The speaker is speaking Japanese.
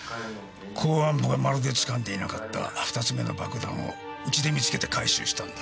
公安部がまるで掴んでいなかった２つ目の爆弾をうちで見つけて回収したんだ。